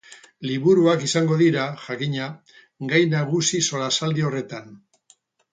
Liburuak izango dira, jakina, gai nagusi solasaldi horretan.